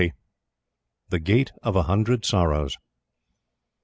THE GATE OF A HUNDRED SORROWS.